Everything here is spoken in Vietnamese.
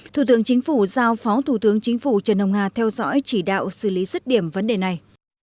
thủ tướng chính phủ giao phó thủ tướng chính phủ trần hồng hà theo dõi chỉ đạo xử lý dứt điểm vấn đề này